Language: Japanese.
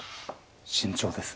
慎重です。